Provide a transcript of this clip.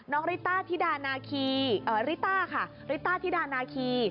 ริต้าธิดานาคีริต้าค่ะริต้าธิดานาคี